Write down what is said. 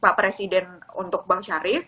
pak presiden untuk bang syarif